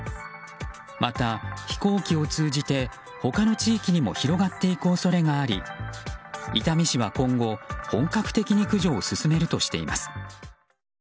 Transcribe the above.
また、飛行機を通じて他の地域にも広がっていく恐れがあり伊丹市は今後本格的に駆除を進めるとしています。